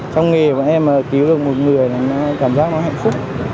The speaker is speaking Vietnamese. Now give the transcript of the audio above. trong nghề bọn em cứu được một người thì cảm giác nó hạnh phúc